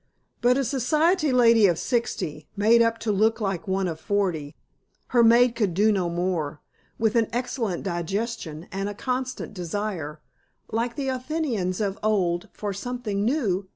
But a society lady of sixty, made up to look like one of forty (her maid could do no more), with an excellent digestion and a constant desire, like the Athenians of old, for "Something New!"